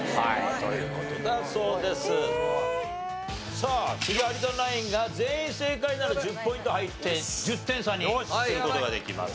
さあ次有田ナインが全員正解なら１０ポイント入って１０点差にする事ができます。